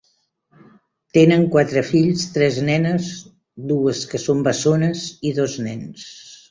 Tenen quatre fills, tres nenes, dues que són bessones, i dos nens.